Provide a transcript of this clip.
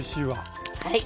はい。